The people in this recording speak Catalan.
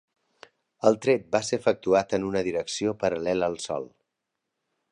El tret va ser efectuat en una direcció paral·lela al sòl.